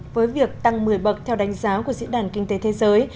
với việc tăng một mươi bậc theo đánh giá của diễn đàn kinh tế thế giới